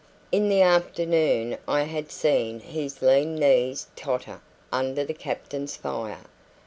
In the afternoon I had seen his lean knees totter under the captain's fire.